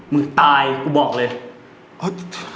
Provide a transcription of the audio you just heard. มึงตายกูบอกเลย